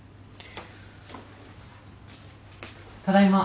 ただいま。